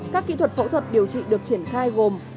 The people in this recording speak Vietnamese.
các kỹ thuật phẫu thuật điều trị được triển khai gồm